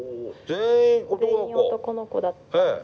全員男の子だったんです。